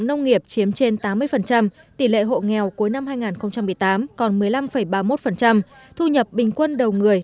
nông nghiệp chiếm trên tám mươi tỷ lệ hộ nghèo cuối năm hai nghìn một mươi tám còn một mươi năm ba mươi một thu nhập bình quân đầu người